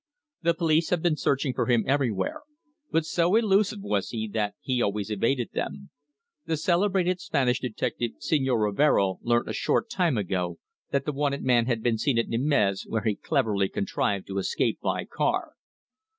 The police have been searching for him everywhere, but so elusive was he that he always evaded them. The celebrated Spanish detective Señor Rivero learnt a short time ago that the wanted man had been seen at Nîmes, where he cleverly contrived to escape by car.